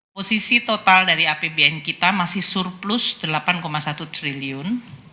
posisi total dari apbn kita masih surplus rp delapan satu triliun